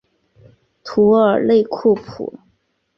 图尔内库普。